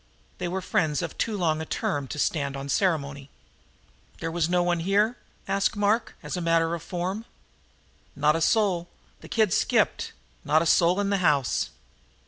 They were friends of too long a term to stand on ceremony. "There's no one here?" asked Mark, as a matter of form. "Not a soul the kid skipped not a soul in the house."